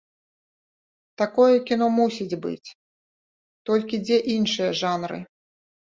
Такое кіно мусіць быць, толькі дзе іншыя жанры?